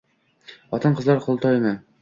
Xotin-qizlar qurultoyimi?